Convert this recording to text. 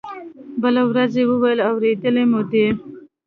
بله ورځ يې وويل اورېدلي مې دي.